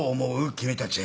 君たち。